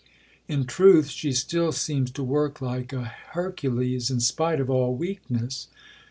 In truth she still seems to work like a Hercules in spite of all weakness."